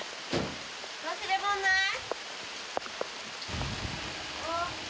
忘れもんない？